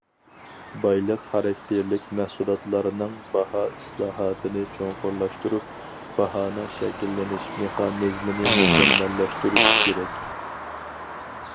بايلىق خاراكتېرلىك مەھسۇلاتلارنىڭ باھا ئىسلاھاتىنى چوڭقۇرلاشتۇرۇپ، باھانىڭ شەكىللىنىش مېخانىزمىنى مۇكەممەللەشتۈرۈش كېرەك.